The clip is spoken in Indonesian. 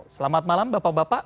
selamat malam bapak bapak